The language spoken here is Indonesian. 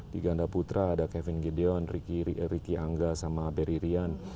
di ganda putra ada kevin gideon ricky angga sama berry rian